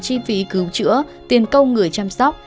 chi phí cứu chữa tiền công người chăm sóc